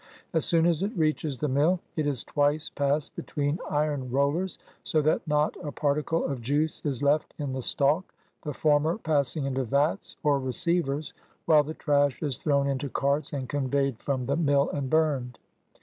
As soon as it reaches the mill, it is twice passed between iron rollers, so that not a particle of juice is left in the stalk, the former passing into vats, or receivers, while the trash is thrown into carts, and conveyed from the mill and burned.